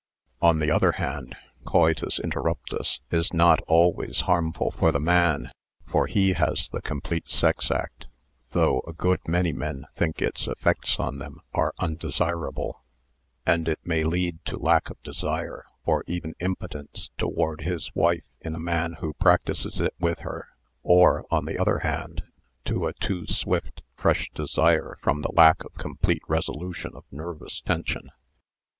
On the other hand, coitus interruptus is not always harm ful for the man, for he has the complete sex act, though a good many men think its effects on them are unde sirable, and it may lead to lack of desire or even impotence toward his wife in a man who practises it with her, or, on the other hand, to a too swift fresh desire from the lack of complete resolution of nervous tension.